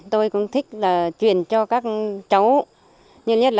tôi cũng thích là truyền cho các cháu